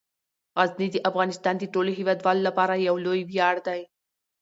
غزني د افغانستان د ټولو هیوادوالو لپاره یو لوی ویاړ دی.